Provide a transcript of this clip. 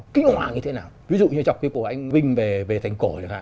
kinh hoàng như thế nào ví dụ như chọc phim của anh vinh về thành cổ